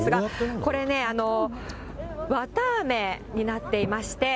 これね、綿あめになっていまして。